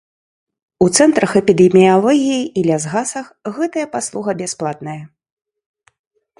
У цэнтрах эпідэміялогіі і лясгасах гэтая паслуга бясплатная.